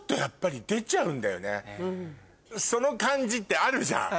その感じってあるじゃん。